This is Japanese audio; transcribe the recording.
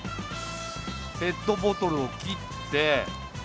ペットボトルを切って。